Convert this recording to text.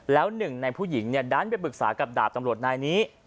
แล้วหนึ่งในผู้หญิงดันไปปรึกษากับดาบตำรวจนายนี้